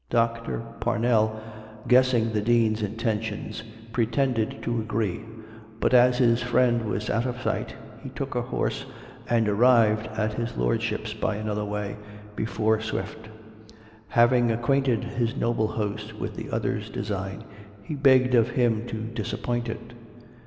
Dr. Parnell, guessing the Dean's intentions, pretended to agree; but as his friend was out of sight, he took a horse, and arrived at his Lordship's by another way, before Swift. Having acquainted his noble host with the other's design, he begged of him to disappoint it.